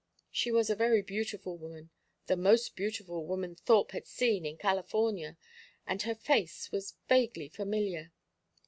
She was a very beautiful woman, the most beautiful woman Thorpe had seen in California, and her face was vaguely familiar.